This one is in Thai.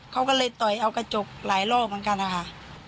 เขาก็เลยต่อยเอากระจกหลายรอบเหมือนกันนะคะ